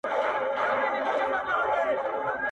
حقيقت له کيسې نه لوی دی،